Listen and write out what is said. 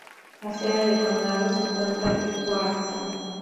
La sede del condado se encuentra en Wharton.